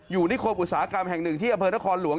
อยู่นิคบงกอุตสายกรรมแห่งหนึ่งที่อเผธครณ์หลวง